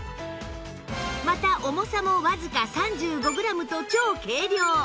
また重さもわずか３５グラムと超軽量